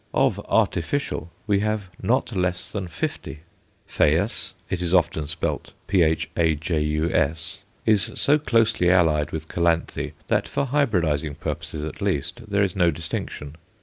Of artificial we have not less than fifty. Phaius it is often spelt Phajus is so closely allied with Calanthe that for hybridizing purposes at least there is no distinction.